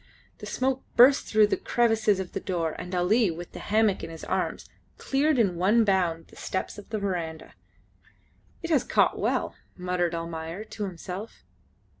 The smoke burst through the crevices of the door, and Ali, with the hammock in his arms, cleared in one bound the steps of the verandah. "It has caught well," muttered Almayer to himself.